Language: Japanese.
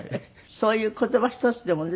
そういう言葉一つでもね